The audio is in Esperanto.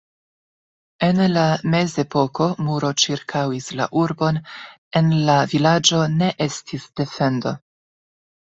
En la mezepoko muro ĉirkaŭis la urbon, en la vilaĝo ne estis defendo.